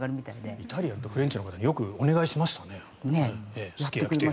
イタリアンとかフレンチよくお願いしましたね。